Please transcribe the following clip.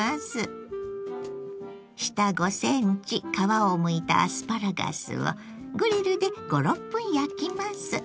下５ｃｍ皮をむいたアスパラガスをグリルで５６分焼きます。